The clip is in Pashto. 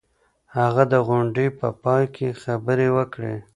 هغه د غونډې په پای کي خبري وکړې.